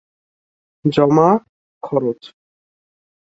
জমা, খরচ।